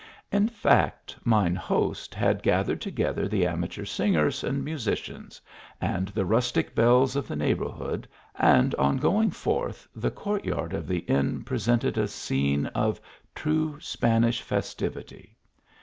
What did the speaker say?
In fact, mine host had gathered together the amateur singers and musicians and the rustic belles of the neighbourhood, and on going forth, the court yard of the inn presented a scene of true Spanish festivity.